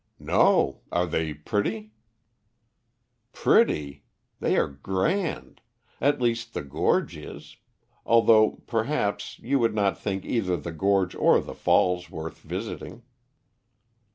"No. Are they pretty?" "Pretty! They are grand at least, the gorge is, although, perhaps, you would not think either the gorge or the falls worth visiting."